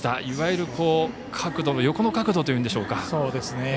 いわゆる横の角度というんでしょうか。